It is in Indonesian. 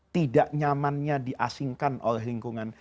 tidak nyamannya diasingkan oleh lingkungan